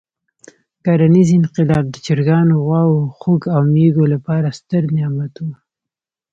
کرنیز انقلاب د چرګانو، غواوو، خوګ او مېږو لپاره ستر نعمت وو.